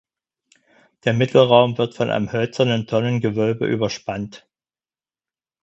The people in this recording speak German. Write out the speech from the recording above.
Der Mittelraum wird von einem hölzernen Tonnengewölbe überspannt.